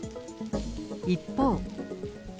一方。